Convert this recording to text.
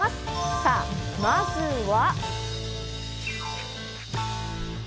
さぁ、まずは。